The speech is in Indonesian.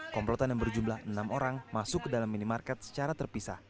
komplotan yang berjumlah enam orang masuk ke dalam minimarket secara terpisah